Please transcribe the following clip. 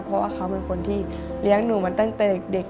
เพราะว่าเขาเป็นคนที่เลี้ยงหนูมาตั้งแต่เด็ก